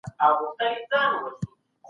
علم د ناپوهۍ په پرتله ډېر ځواکمن دی.